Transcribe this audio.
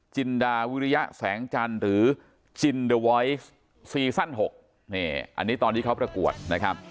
จินดาวิริยะแสงจันทร์หรือจินเดอร์วอยซ์ซีซั่น๖นี่อันนี้ตอนที่เขาประกวดนะครับ